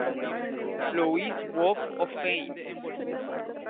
Louis Walk of Fame.